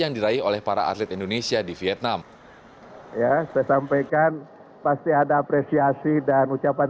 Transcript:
yang diraih oleh para atlet indonesia di vietnam ya saya sampaikan pasti ada apresiasi dan ucapan